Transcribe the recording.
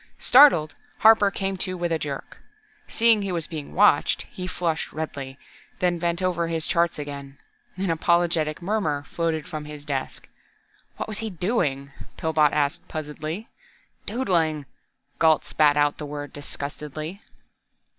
Startled, Harper came to with a jerk. Seeing he was being watched, he flushed redly, then bent over his charts again. An apologetic murmur floated from his desk. "What was he doing?" Pillbot asked puzzledly. "Doodling!" Gault spat out the word disgustedly.